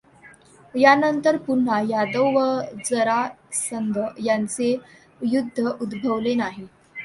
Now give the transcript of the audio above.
यानंतर पुन्हा यादव व जरासंध यांचे युद्ध उद्भवले नाही.